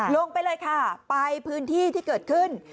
ลงไปเลยค่ะไปพื้นที่ที่เกิดขึ้น